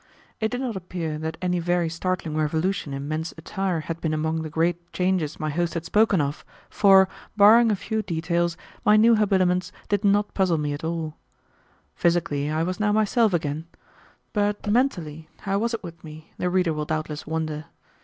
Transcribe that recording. It did not appear that any very startling revolution in men's attire had been among the great changes my host had spoken of, for, barring a few details, my new habiliments did not puzzle me at all. Physically, I was now myself again. But mentally, how was it with me, the reader will doubtless wonder.